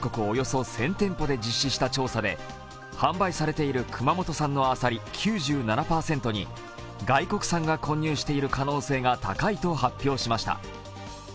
およそ１０００店舗で実施した調査で販売されている熊本産のあさり９７％に外国産が混入している可能性が高いと発表しました。